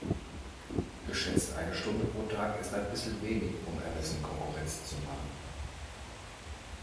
Geschätzte eine Stunde pro Tag ist ein bissl wenig, um Amazon Konkurrenz zu machen.